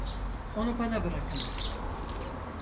Onu bana bırakın.